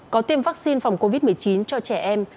có tiêm vaccine phòng covid một mươi chín cho trẻ em